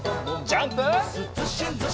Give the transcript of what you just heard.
ジャンプ！